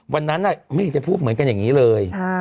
วันนั้นไม่อยากจะพูดเหมือนกันอย่างนี้เลย